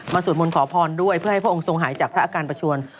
สวดมนต์ขอพรด้วยเพื่อให้พระองค์ทรงหายจากพระอาการประชวน